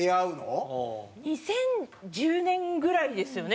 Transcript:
２０１０年ぐらいですよね。